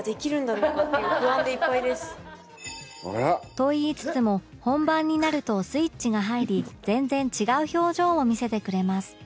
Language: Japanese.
と言いつつも本番になるとスイッチが入り全然違う表情を見せてくれます